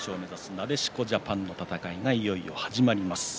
なでしこジャパンの戦いがいよいよ始まります。